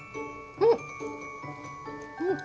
うん！